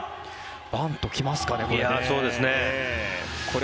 バント、来ますかね、これ？